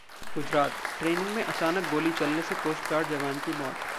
Gujarat training में अचानक गोली चलने से कोस्टगार्ड जवान की मौत